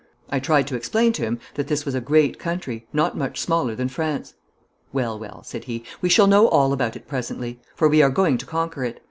I tried to explain to him that this was a great country, not much smaller than France. 'Well, well,' said he, 'we shall know all about it presently, for we are going to conquer it.